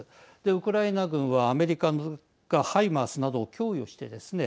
ウクライナ軍は、アメリカがハイマースなどを供与してですね